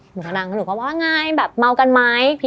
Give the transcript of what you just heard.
หนูก็นั่งหนูก็บอกว่าไงแบบเมากันไหม